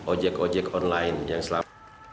ojek ojek online yang selamat